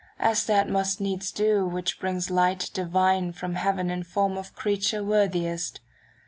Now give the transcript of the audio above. As that must needs do which brings light divine From heaven in form of creature worthiest.